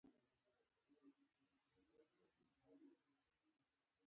بلال راته وویل اردن ته ډېر سفرونه کړي.